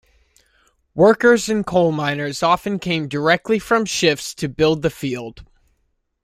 Workers and coal miners often came directly from shifts to build the field.